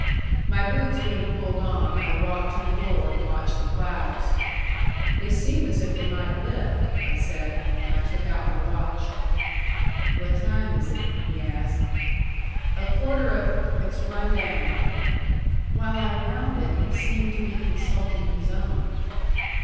My boots being pulled on, I walked to the door and watched the clouds. "They seem as if they might lift," I said. And I took out my watch. "What time is it?" he asked. "A quarter of it's run down." While I wound it he seemed to be consulting his own.